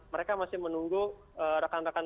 mereka masih menunggu rakan rakan